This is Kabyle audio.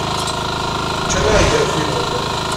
Ččan-aɣ yigerfiwen.